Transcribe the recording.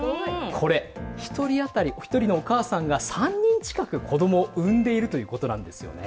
これ１人当たりお一人のお母さんが３人近く子どもを産んでいるということなんですよね。